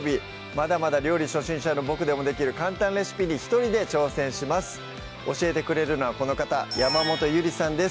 まだまだ料理初心者のボクでもできる簡単レシピに一人で挑戦します教えてくれるのはこの方山本ゆりさんです